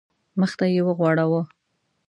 مخ ته یې وغوړاوه.